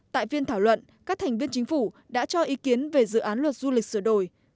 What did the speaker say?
tại phiên thảo luận các thành viên chính phủ đã cho ý kiến về dự án luật du lịch sửa đổi